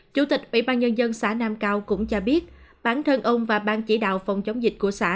chủ tịch ủy ban nhân dân xã nam cao cũng cho biết bản thân ông và ban chỉ đạo phòng chống dịch của xã